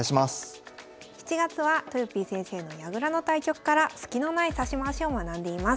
７月はとよぴー先生の矢倉の対局からスキのない指し回しを学んでいます。